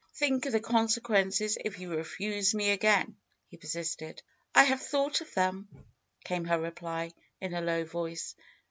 Think of the consequences if you refuse me again," he persisted, have thought of them," came her reply, in a low voice.